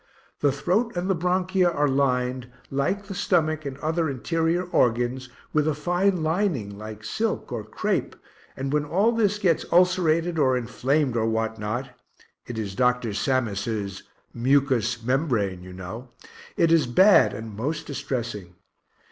The throat and the bronchia are lined, like the stomach and other interior organs, with a fine lining like silk or crape, and when all this gets ulcerated or inflamed or what not (it is Dr. Sammis's mucous membrane, you know) it is bad, and most distressing.